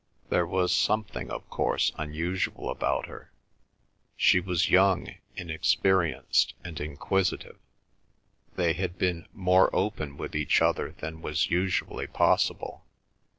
There was something, of course, unusual about her—she was young, inexperienced, and inquisitive, they had been more open with each other than was usually possible.